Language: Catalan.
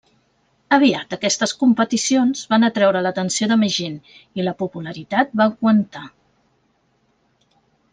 Aviat aquestes competicions van atreure l'atenció de més gent i la popularitat va augmentar.